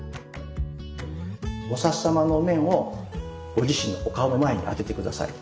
菩様のお面をご自身のお顔の前に当てて下さい。